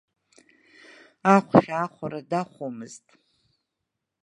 Ахәшә аахәара дахәомызт.